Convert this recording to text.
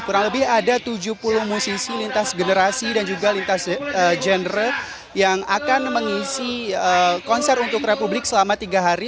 kurang lebih ada tujuh puluh musisi lintas generasi dan juga lintas genre yang akan mengisi konser untuk republik selama tiga hari